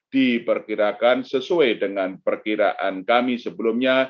diperkirakan sesuai dengan perkiraan kami sebelumnya